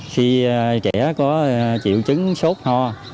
khi trẻ có triệu chứng sốt ho